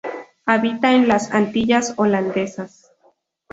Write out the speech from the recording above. Habita en las Antillas Holandesas.